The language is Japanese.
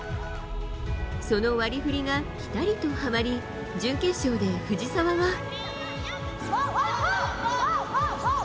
その割り振りがピタリとはまり準決勝で藤澤は。